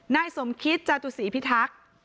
นายสมคิตจตุศรีพิทักษ์